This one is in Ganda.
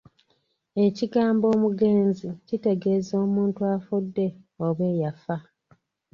Ekigambo omugenzi kitegeeza omuntu afudde oba eyafa.